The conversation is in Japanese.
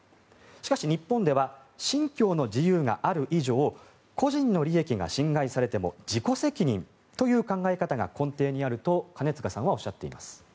しかし日本では信教の自由がある以上個人の利益が侵害されても自己責任という考え方が根底にあると金塚さんはおっしゃっています。